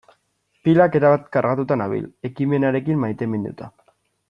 Pilak erabat kargatuta nabil, ekimenarekin maiteminduta.